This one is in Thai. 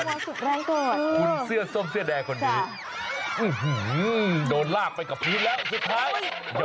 ไม่ปล่อยมือยันมินาทีสุดท้าย